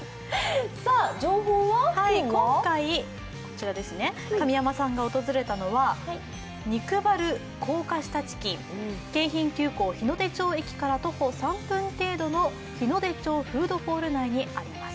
今回、神山さんが訪れたのは肉バル高架下チキン、京浜急行・日ノ出町駅から徒歩３分程度の日ノ出町フードホール内にあります。